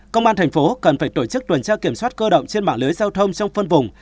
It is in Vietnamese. công an thành phố cần phải tổ chức tuần tra kiểm soát cơ động trên mạng lưới giao thông trong phân vùng